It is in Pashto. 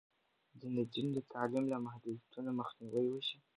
د نجونو د تعلیم له محدودیتونو مخنیوی وشي.